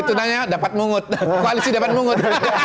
itu nanya dapat mungut koalisi dapat mungut